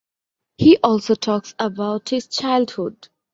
He also talks about his childhood.